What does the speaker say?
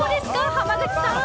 濱口さん。